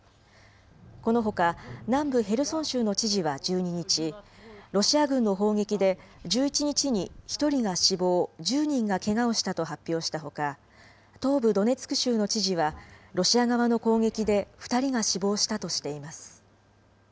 このほか、南部ヘルソン州の知事は１２日、ロシア軍の砲撃で１１日に１人が死亡、１０人がけがをしたと発表したほか、東部ドネツク州の知事は、ロシア側の攻撃で２人が死亡したとしています。